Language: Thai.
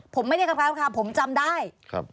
ผมไม่ได้บังคับผมจำได้